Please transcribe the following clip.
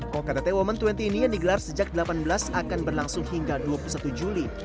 ktt women dua puluh ini yang digelar sejak delapan belas akan berlangsung hingga dua puluh satu juli